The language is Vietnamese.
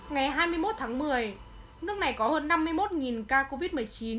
ngày hai mươi một tháng một mươi nước này có hơn năm mươi một ca covid một mươi chín